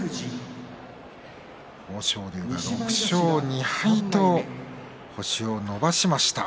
豊昇龍、６勝２敗と星を伸ばしました。